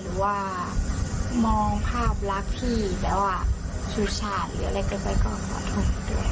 หรือว่ามองภาพรักพี่แล้วชูชาติหรืออะไรเกินไปก็ขอโทษด้วย